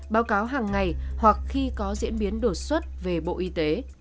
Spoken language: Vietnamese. báo cáo hàng ngày hoặc khi có diễn biến đột xuất về bộ y tế